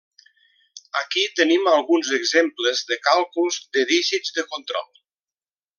Aquí tenim alguns exemples de càlculs de dígits de control.